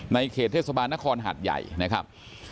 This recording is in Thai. เขตเทศบาลนครหัดใหญ่นะครับ